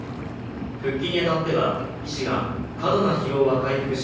復帰に当たっては医師が過度な疲労は回復し